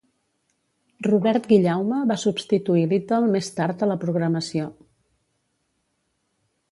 Robert Guillaume va substituir Little més tard a la programació.